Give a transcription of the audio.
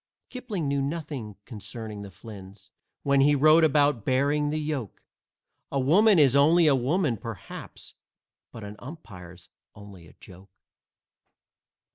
Kipling knew nothing concerning the Flynns When he wrote about "bearing the yoke." A woman is only a woman, perhaps, But an umpire's only a joke.